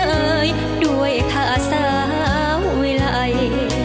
เอ่อเอ่อเอ่อด้วยค่าสาวไวไหล